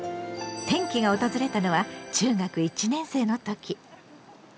転機が訪れたのは中学１年生の時。